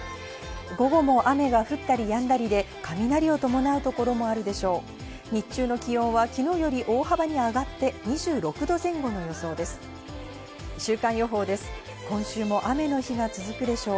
午後も雨が降ったりやんだりで雷を伴うところもあるでしょう。